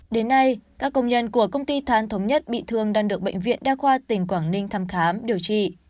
đến nay các công nhân của công ty thán thống nhất bị thương đang được bệnh viện đa khoa tỉnh quảng ninh thăm khám điều trị